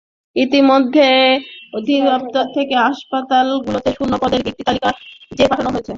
ইতিমধ্যে অধিদপ্তর থেকে হাসপাতালগুলোতে শূন্য পদের একটি তালিকা চেয়ে পাঠানো হয়েছে।